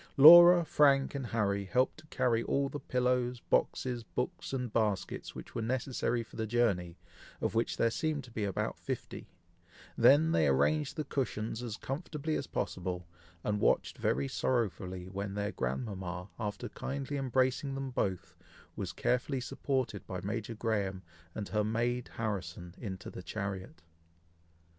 Laura, Frank, and Harry helped to carry all the pillows, boxes, books, and baskets which were necessary for the journey, of which there seemed to be about fifty; then they arranged the cushions as comfortably as possible, and watched very sorrowfully when their grandmama, after kindly embracing them both, was carefully supported by Major Graham and her maid Harrison, into the chariot.